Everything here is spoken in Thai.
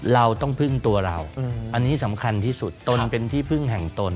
เราต้องพึ่งตัวเราอันนี้สำคัญที่สุดตนเป็นที่พึ่งแห่งตน